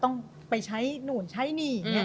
ต้องไปใช้นู่นใช้นี่